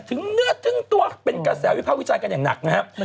ถึงเนื้อตัวเป็นกระแสวิภาวิจัยกันอย่างหนักนะครับ